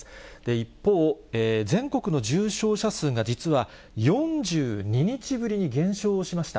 一方、全国の重症者数が実は４２日ぶりに減少しました。